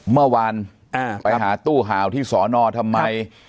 เมื่อวานไปหาตู้ห่าวที่สอนอทำไม